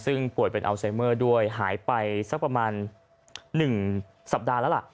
ซึ่งป่วยเป็นอัลไซเมอร์ด้วยหายไปสักประมาณ๑สัปดาห์แล้วล่ะ